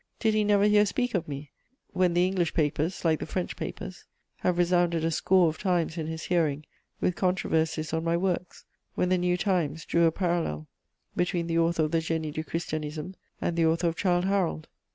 Did he never hear speak of me, when the English papers, like the French papers, have resounded a score of times in his hearing with controversies on my works, when the New Times drew a parallel between the author of the Génie du Christianisme and the author of _Childe Harold?